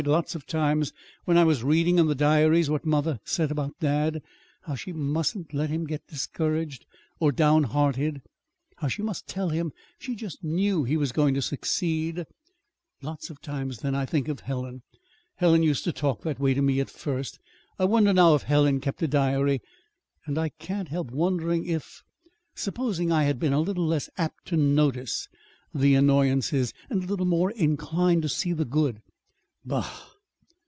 Lots of times, when I was reading in the diaries what mother said about dad, how she mustn't let him get discouraged or downhearted; how she must tell him she just knew he was going to succeed, lots of times then I'd think of Helen. Helen used to talk that way to me at the first! I wonder now if Helen kept a diary! And I can't help wondering if, supposing I had been a little less apt to notice the annoyances, and a little more inclined to see the good Bah!